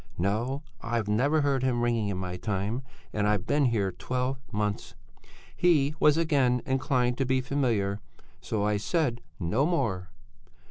'No, I've never heard him ringing in my time, and I've been here twelve months.' He was again inclined to be familiar, so I said no more.